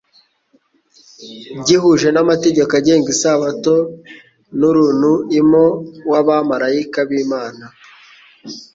gihuje n'amategeko agenga isabato, n'urunu-imo w'abamaraika b'Imana,